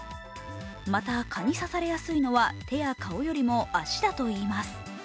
また蚊に刺されやすいのは手や顔よりも足だといいます。